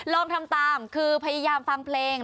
ลองทำตามคือพยายามฟังเพลง